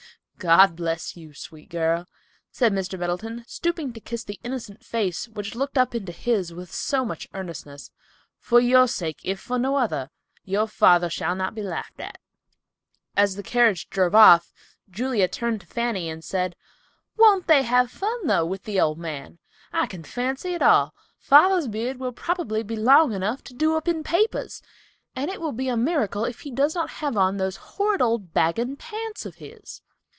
"God bless you, sweet girl," said Mr. Middleton, stooping to kiss the innocent face which looked up into his with so much earnestness. "For your sake, if for no other, your father shall not be laughed at." As the carriage drove off, Julia turned to Fanny and said, "Won't they have fun, though, with the old man? I can fancy it all. Father's beard will probably be long enough to do up in papers, and it will be a miracle if he does not have on those horrid old bagging pants of his."